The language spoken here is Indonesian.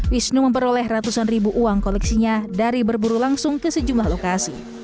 wisnu memperoleh ratusan ribu uang koleksinya dari berburu langsung ke sejumlah lokasi